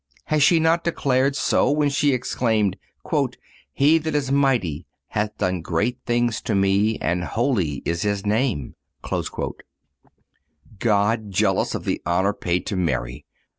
Has she not declared so when she exclaimed: "He that is mighty hath done great things to me, and holy is His name!"(259) God jealous of the honor paid to Mary!